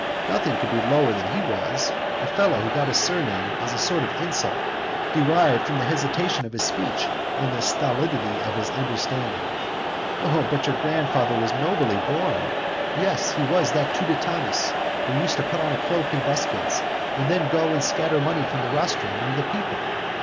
Nothing could be lower than he was, a fellow who got his surname as a sort of insult, derived from the hesitation of his speech and the stolidity of his understanding. Oh, but your grandfather was nobly born. Yes, he was that Tuditanus who used to put on a cloak and buskins, and then go and scatter money from the rostra among the people.